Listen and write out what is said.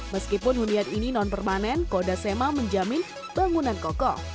meskipun hunian ini non permanen kodasema menjamin bangunan kokoh